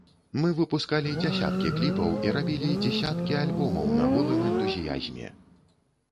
Мы выпускалі дзясяткі кліпаў і рабілі дзесяткі альбомаў на голым энтузіязме.